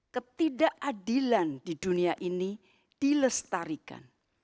ketidakadilan di dunia ini dilestarikan